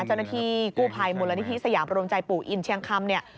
เจ้าหน้าที่กู้ภัยมุลและเจ้าหน้าที่สยามรวมใจปู่อินเชียงคำเนี่ย